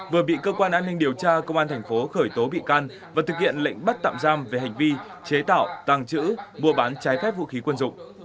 vừa bị cơ quan an ninh điều tra công an thành phố khởi tố bị can và thực hiện lệnh bắt tạm giam về hành vi chế tạo tàng trữ mua bán trái phép vũ khí quân dụng